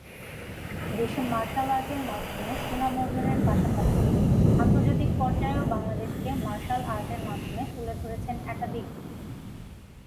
দেশে martial art এর মাধ্যমে সুনাম অর্জনের পাশাপাশি, আন্তর্জাতিক পর্যায়েও বাংলাদেশকে মার্শাল আর্ট এর মাধ্যমে তুলে ধরেছেন একাধিকবার।